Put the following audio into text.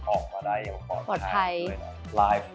ออกมาได้อย่างปลอดภัยเลยนะ